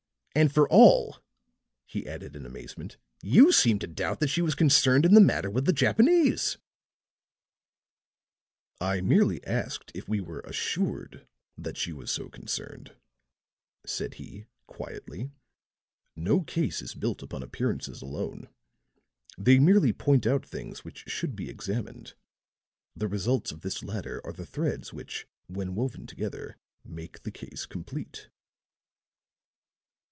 "And for all," he added in amazement, "you seem to doubt that she was concerned in the matter with the Japanese." Ashton Kirk smiled at his aide's heat. "I merely asked if we were assured that she was so concerned," said he, quietly. "No case is built upon appearances alone. They merely point out things which should be examined; the results of this latter are the threads which, when woven together, make the case complete."